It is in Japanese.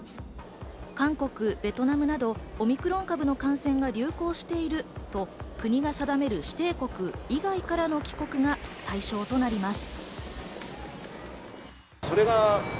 韓国、ベトナムなどオミクロン株の感染が流行していると国が定める指定国以外から帰国が対象となります。